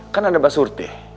kan ada mbak surti